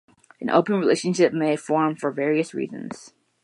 An open relationship may form for various reasons.